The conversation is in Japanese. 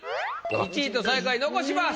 １位と最下位残します。